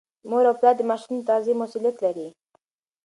مور او پلار د ماشوم د تغذیې مسؤلیت لري.